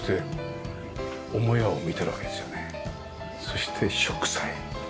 そして植栽。